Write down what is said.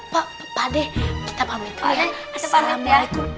pak pak d kita pamit dulu ya assalamualaikum